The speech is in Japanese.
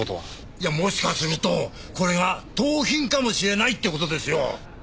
いやもしかするとこれが盗品かもしれないって事ですよ。